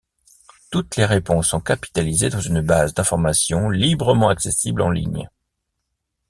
Toutes les réponses sont capitalisées dans une base d'information librement accessible en ligne.